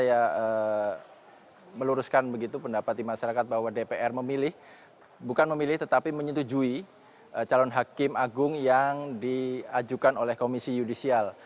saya meluruskan begitu pendapat di masyarakat bahwa dpr memilih bukan memilih tetapi menyetujui calon hakim agung yang diajukan oleh komisi yudisial